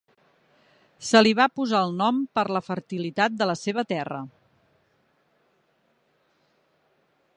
Se li va posar el nom per la fertilitat de la seva terra.